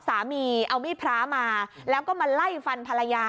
สามีเอามีดพระมาแล้วก็มาไล่ฟันภรรยา